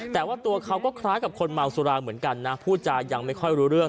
แต่ว่าตัวเขาก็คล้ายกับคนเมาสุราเหมือนกันนะพูดจายังไม่ค่อยรู้เรื่อง